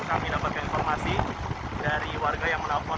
kami dapatkan informasi dari warga yang menelpon